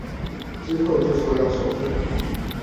之後就說要收費了